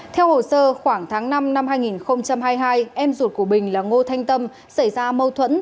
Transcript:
theo hồ sơ khoảng tháng năm năm hai nghìn hai mươi hai em ruột của bình là ngô thanh tâm xảy ra mâu thuẫn